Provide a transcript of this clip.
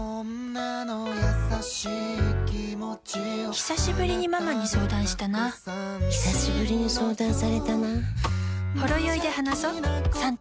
ひさしぶりにママに相談したなひさしぶりに相談されたな